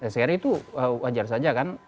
seri itu wajar saja kan